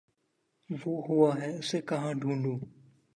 وہ ہوا ہے اسے کہاں ڈھونڈوں